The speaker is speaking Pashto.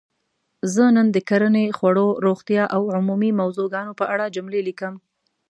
زه نن د کرنې ؛ خوړو؛ روغتیااو عمومي موضوع ګانو په اړه جملې لیکم.